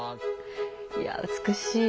いや美しい。